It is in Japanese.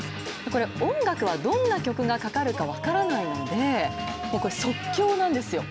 これ、音楽はどんな曲がかかるか分からないので、即興なんですよ。